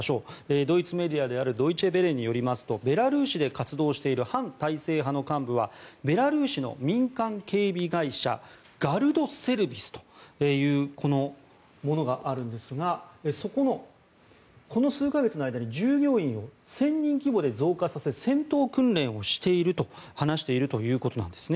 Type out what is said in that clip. ドイツメディアであるドイチェ・ヴェレによりますとベラルーシで活動している反体制派の幹部はベラルーシの民間警備会社ガルドセルビスというこのものがあるんですがそこのこの数か月の間に従業員を１０００人規模で増加させ戦闘訓練をしていると話しているということなんですね。